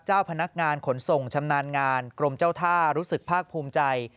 เจ้าพนักงานขนส่งชำนาญงานกรมเจ้าท่ารู้สึกภาคภูมิใจ